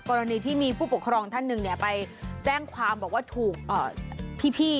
กรณีที่มีผู้ปกครองท่านหนึ่งไปแจ้งความบอกว่าถูกพี่